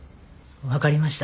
分かりました。